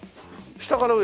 下から上？